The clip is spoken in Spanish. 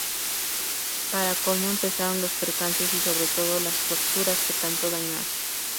Para colmo, empezaron los percances y sobre todo las fracturas que tanto daño hacen.